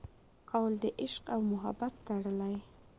قول د عشق او محبت تړلي